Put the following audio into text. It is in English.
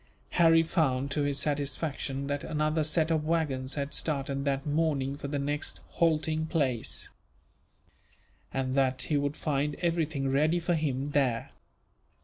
Harry found, to his satisfaction, that another set of waggons had started that morning for the next halting place; and that he would find everything ready for him there.